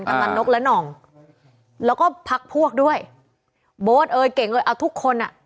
กำลังนกและหน่องแล้วก็พักพวกด้วยโบ๊ทเอ่ยเก่งเอ่ยเอาทุกคนอ่ะ